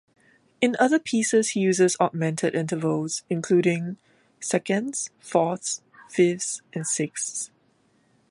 In other pieces he uses augmented intervals, including seconds, fourths, fifths, and sixths.